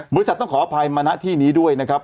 บริษัทขออภัยมาณะที่นี้ด้วยครับ